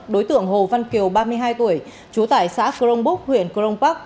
đối tượng hồ văn kiều ba mươi hai tuổi chú tải xã crong búc huyện crong park